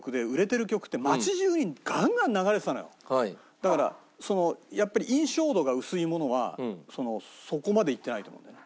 だからやっぱり印象度が薄いものはそこまでいってないと思うんだよね。